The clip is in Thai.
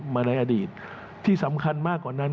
มาในอดีตที่สำคัญมากกว่านั้น